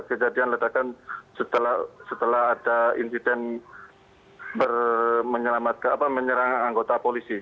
kejadian ledakan setelah ada insiden menyerang anggota polisi